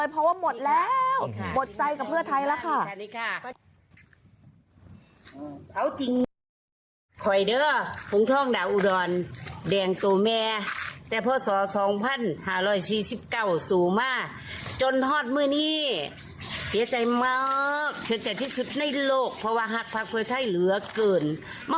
เผาทิ้งทั้งหมดเลยเพราะว่าหมดแล้วหมดใจกับเพื่อไทยละค่ะ